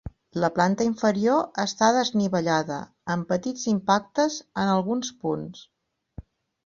La planta inferior està desnivellada, amb petits impactes en alguns punts.